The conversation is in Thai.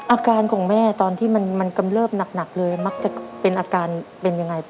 อาการของแม่ตอนที่มันกำเริบหนักเลยมักจะเป็นอาการเป็นยังไง